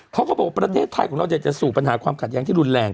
เขาก็บอกว่าประเทศไทยของเราจะสู่ปัญหาความขัดแย้งที่รุนแรง